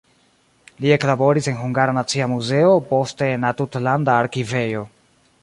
Li eklaboris en Hungara Nacia Muzeo, poste en la tutlanda arkivejo.